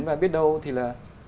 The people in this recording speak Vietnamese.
và biết đâu thì là